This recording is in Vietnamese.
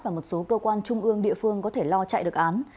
và một số cơ quan trung ương địa phương có thể lo chạy được án